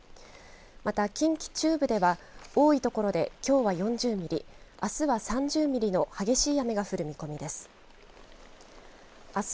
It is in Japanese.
また、近畿中部では多い所で、きょうは４０ミリあすは３０ミリの激しい雨が降る見込みです。